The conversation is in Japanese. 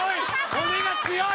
骨が強い！